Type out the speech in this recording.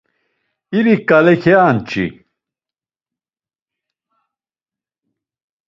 İriǩale keanç̌i.